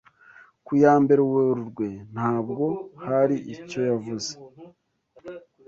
Ku ya mbere Werurwe nabwo hari icyo yavuze